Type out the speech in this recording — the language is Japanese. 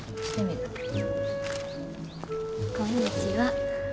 こんにちは。